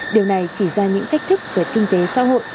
điều này chỉ ra những thách thức về kinh tế xã hội